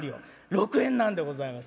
「６円なんでございます。